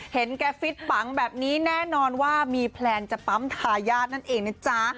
เห็นแกฟิตปังแบบนี้แน่นอนว่ามีแพลนจะปั๊มทายาทนั่นเองนะจ๊ะ